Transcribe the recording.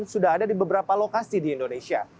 sudah ada di beberapa lokasi di indonesia